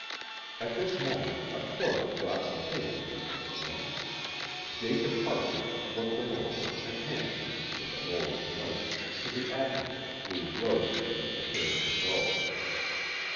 At this moment a clerk brought some papers into the room. Jacob Hartrich looked over them, and handed them, with a roll of notes, to the Advocate, who rose and prepared to go.